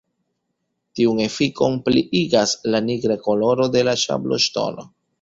Tiun efikon pliigas la nigra koloro de la sabloŝtono.